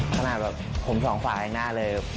ขนาดแบบผมสองฝ่ายหน้าเลย